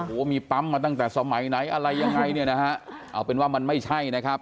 โอ้โหมีปั๊มมาตั้งแต่สมัยไหนอะไรยังไงเนี่ยนะฮะเอาเป็นว่ามันไม่ใช่นะครับ